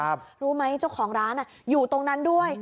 รู้ไหมเจ้าของร้านอยู่ตรงนั้นด้วย